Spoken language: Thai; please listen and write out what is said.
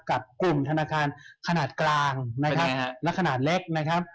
กับกลุ่มธนาคารขนาดกลางนะครับและขนาดเล็กนะครับ